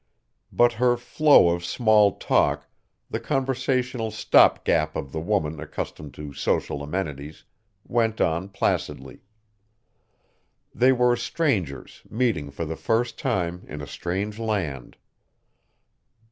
But her flow of small talk, the conversational stop gap of the woman accustomed to social amenities, went on placidly. They were strangers, meeting for the first time in a strange land.